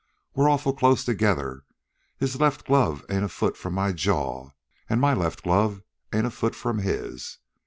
We're awful close together. His left glove ain't a foot from my jaw, an' my left glove ain't a foot from his.